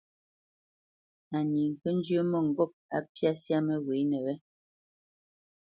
Á ní ŋkə́ njyə́ mə́ŋgôp á mbyá syâ məghwěnə wé.